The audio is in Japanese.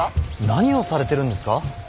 何をされてるんですか？